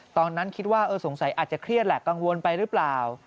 ตอนนั้นคิดว่าสงสัยอาจจะเครียดแหละกังวลไปหรือเปล่า